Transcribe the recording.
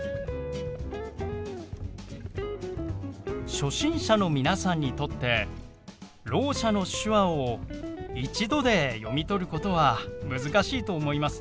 初心者の皆さんにとってろう者の手話を一度で読み取ることは難しいと思います。